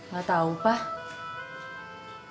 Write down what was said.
gak tau pak